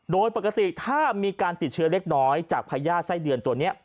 โดยปกติถ้ามีการติดเชื้อเล็กน้อยจากพญาติไส้เดือนตัวนี้